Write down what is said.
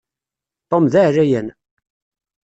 Tom d aɛlayan.